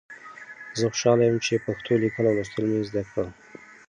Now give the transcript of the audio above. زه خوشحاله یم چې پښتو لیکل او لوستل مې زده کړل.